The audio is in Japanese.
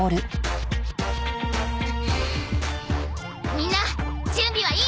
みんな準備はいい？